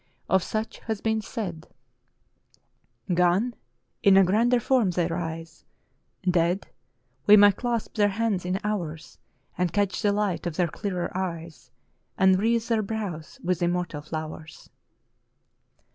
Of such has been said: "Gone? In a grander form they rise! Dead ? We may clasp their hands in ours, And catch the light of their clearer eyes. And wreathe their brows with immortal flowers."